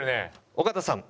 尾形さん